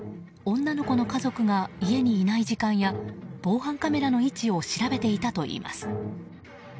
女の子の家族が家にいない時間や防犯カメラの位置を調べていたといいます。